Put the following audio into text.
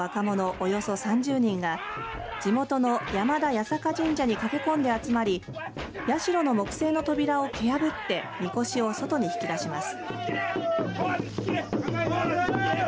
およそ３０人が地元の山田八坂神社に駆け込んで集まり社の木製の扉を蹴破ってみこしを外に引き出します。